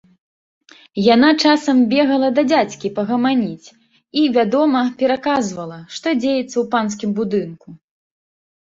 Яна часам бегала да дзядзькі пагаманіць і, вядома, пераказвала, што дзеецца ў панскім будынку.